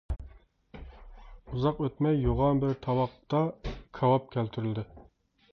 ئۇزاق ئۆتمەي يوغان بىر تاۋاقتا كاۋاپ كەلتۈرۈلدى.